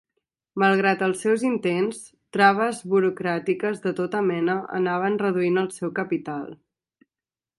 Malgrat els seus intents, traves burocràtiques de tota mena anaven reduint el seu capital.